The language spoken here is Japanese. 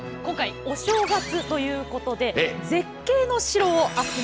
今回お正月ということで絶景の城を集めてみました。